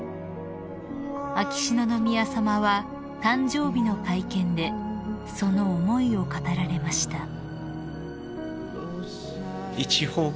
［秋篠宮さまは誕生日の会見でその思いを語られました］